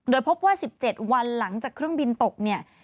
โดยพบว่า๑๗วันหลังจากเครื่องบินตกเนี่ย